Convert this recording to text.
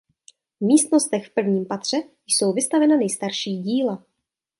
V místnostech v prvním patře jsou vystavena nejstarší díla.